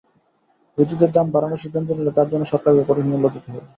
বিদ্যুতের দাম বাড়ানোর সিদ্ধান্ত নিলে তার জন্য সরকারকে কঠিন মূল্য দিতে হবে।